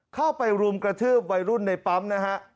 เข้าไปรุมกระทืบวัยรุ่นในปั๊มนะฮะ